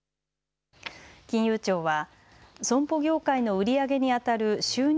金融庁は損保業界の売り上げにあたる収入